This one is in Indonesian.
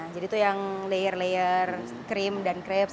jadi itu yang layer layer krim dan crepes